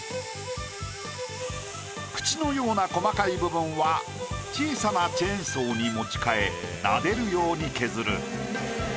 口のような細かい部分は小さなチェーンソーに持ち替えなでるように削る。